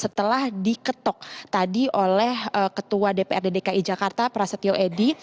setelah diketok tadi oleh ketua dprd dki jakarta prasetyo edy